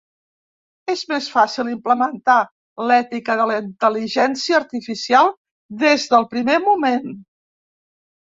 És més fàcil implementar l'ètica de la Intel·ligència Artificial des del primer moment.